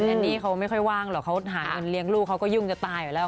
อันนี้เขาไม่ค่อยว่างหรอกเขาหาเงินเลี้ยงลูกเขาก็ยุ่งจะตายอยู่แล้ว